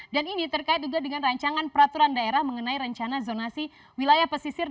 dan ini terkait juga dengan rancangan peraturan daerah mengenai rencana zonasi wilayah pesisir